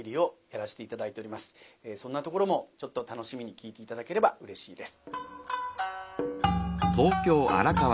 そんなところもちょっと楽しみに聴いて頂ければうれしいです。